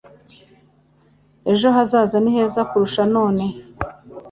ejo hazaza ni heza kurusha none